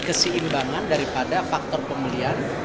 keseimbangan daripada faktor pemulihan